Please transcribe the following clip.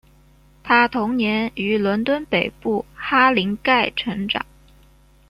她童年于伦敦北部哈林盖成长。